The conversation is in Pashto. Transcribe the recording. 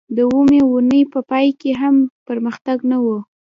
د اوومې اونۍ په پای کې هم پرمختګ نه و